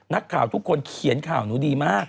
นักข่าวทุกคนเขียนข่าวหนูดีมาก